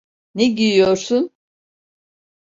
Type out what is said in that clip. Ne giyiyorsun?